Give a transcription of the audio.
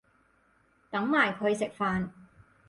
等埋佢食飯